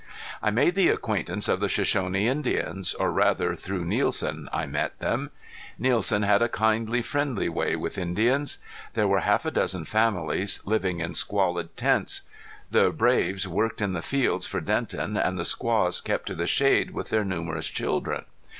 I made the acquaintance of the Shoshone Indians, or rather through Nielsen I met them. Nielsen had a kindly, friendly way with Indians. There were half a dozen families, living in squalid tents. The braves worked in the fields for Denton and the squaws kept to the shade with their numerous children.